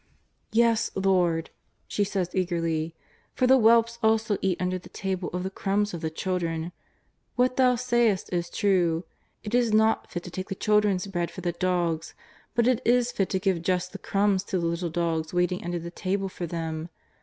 " Yes, Lord," she says eagerly, " for the whelps also eat under the table of the crumbs of the children. What Thou sayest is true. It is not fit to take the children's JESTIS OF TiTAZAKETH. 255 bread for the dogs, but it is fit to give just tlie crumbs to the little dogs waiting under the table for them.